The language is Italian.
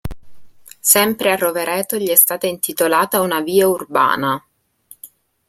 Sempre a Rovereto gli è stata intitolata una via urbana.